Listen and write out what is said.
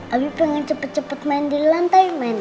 abi pengen cepet cepet main di lantai mainnya